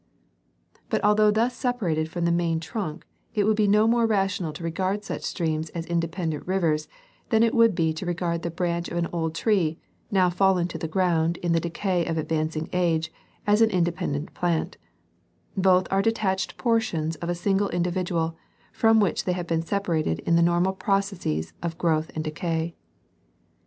But although thus separated from the main trunk, it would be no more rational to regard such streams as independent rivers than it would be to regard the branch of an old tree, now fallen to the ground in the decay of advancing age, as an independent plant ; both are detached portions of a single individual, from which they have been separated in the normal processes of growth and decay.